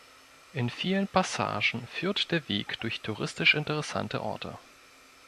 In vielen Passagen führt der Weg durch touristisch interessante Orte.